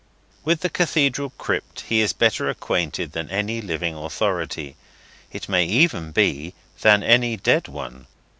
With the Cathedral crypt he is better acquainted than any living authority; it may even be than any dead one.